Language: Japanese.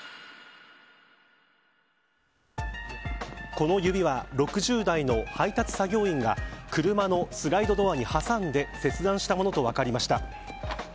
この指は６０代の配達作業員が車のスライドドアに挟んで切断したものと分かりました。